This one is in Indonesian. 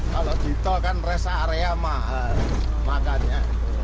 kalau di tol kan rest area mahal makannya